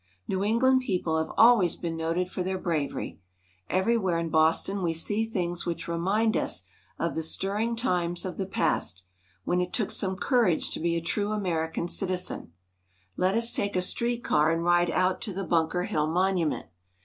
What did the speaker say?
New England people have always been noted for their bravery. Everywhere in Bos ton we see things which re i'" IH^I^ .^._,.c .. H^ ^.. 1 mind us of the stirring times of the past, when it took some courage to be a true Ameri can citizen. Let us take a street car and ride out to the Bunker Hill Monument.